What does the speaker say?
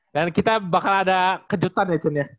dan kita bakal ada kejutan ya cen ya